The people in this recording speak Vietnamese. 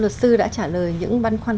luật sư đã trả lời những băn khoăn